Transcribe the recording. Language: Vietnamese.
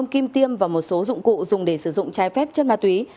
năm kim tiêm và một số dụng cụ dùng để sử dụng trái phép chất ma túy